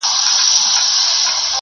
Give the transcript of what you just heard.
د سړي سر عايد د پخوا په پرتله زيات دی.